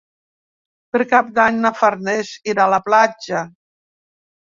Per Cap d'Any na Farners irà a la platja.